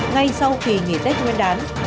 ngay sau khi nghỉ tết nguyên đán